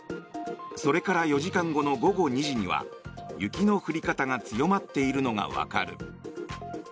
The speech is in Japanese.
それから４時間後の午後２時には雪の降り方が強まっているのがわかる。